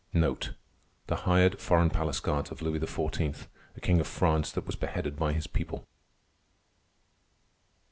The hired foreign palace guards of Louis XVI, a king of France that was beheaded by his people.